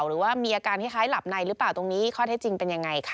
หรือว่ามีอาการคล้ายหลับในหรือเปล่าตรงนี้ข้อเท็จจริงเป็นยังไงคะ